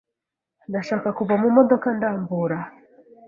Ndashaka kuva mu modoka ndambura.